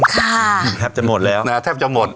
ค่ะแทบจะหมดแล้วแทบจะหมด